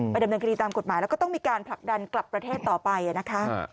ดำเนินคดีตามกฎหมายแล้วก็ต้องมีการผลักดันกลับประเทศต่อไปนะคะ